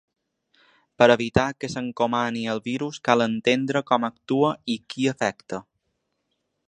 Per evitar que s’encomani el virus cal entendre com actua i qui afecta.